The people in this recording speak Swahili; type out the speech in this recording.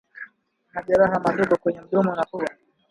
Majeraha madogo kwenye mdomo na pua